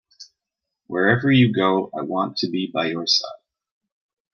Wherever you go, I want to be by your side.